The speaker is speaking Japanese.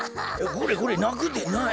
これこれなくでない。